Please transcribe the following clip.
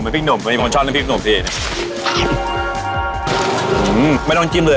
น้ำพริกหนุ่มมีคนชอบน้ำพริกหนุ่มพี่อืมไม่ต้องจิ้มเลย